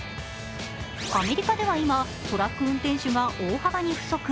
アメリカでは今、トラック運転手が大幅に不足。